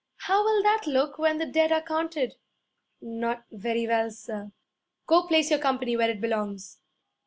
How will that look when the dead are counted?' 'Not very well, sir.' 'Go place your company where it belongs.'